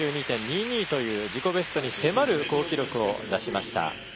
７２．２２という自己ベストに迫る好記録を出しました。